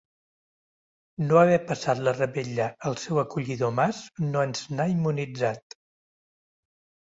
No haver passat la revetlla al seu acollidor mas no ens n'ha immunitzat.